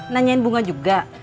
nanyain bunga juga